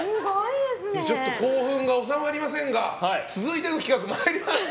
ちょっと興奮が収まりませんが続いての企画参ります。